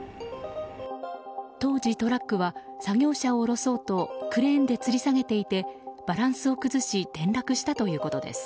当時トラックは作業車を下ろそうとクレーンでつり下げていてバランスを崩し転落したということです。